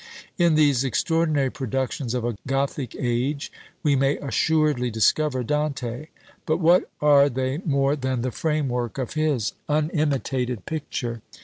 In these extraordinary productions of a Gothic age we may assuredly discover Dante; but what are they more than the framework of his unimitated picture!